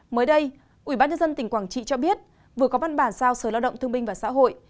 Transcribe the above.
mới đây ubnd tỉnh quảng trị cho biết vừa có văn bản giao sở lao động thương binh và xã hội